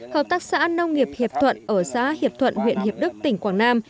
hợp tác xã nông nghiệp hiệp thuận ở xã hiệp thuận huyện hiệp đức tỉnh quảng nam